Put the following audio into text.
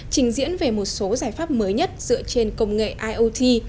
trình diễn về một số giải pháp mới nhất dựa trên công nghệ iot